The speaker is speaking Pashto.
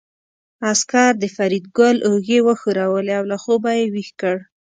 عسکر د فریدګل اوږې وښورولې او له خوبه یې ويښ کړ